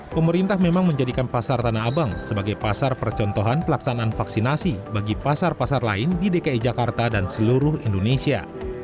pemerintah memang menjadikan pasar tanah abang sebagai pasar percontohan pelaksanaan vaksinasi bagi pasar pasar lain di dki jakarta dan seluruh indonesia